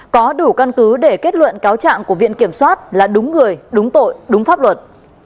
có đủ căn cứ để kết luận cáo trạng của viện kiểm soát là đúng người đúng tội đúng pháp luật